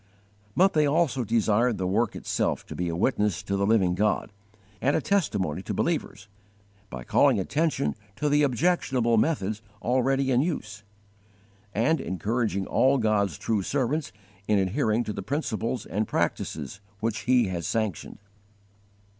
But they also desired the work itself to be a witness to the living God, and a testimony to believers, by calling attention to the objectionable methods already in use and encouraging all God's true servants in adhering to the principles and practices which He has sanctioned.